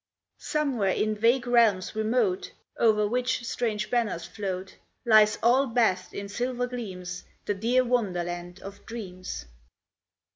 Somewhere, in vague realms remote Over which strange banners float, Lies, all bathed in silver gleams. The dear Wonderland of dreams.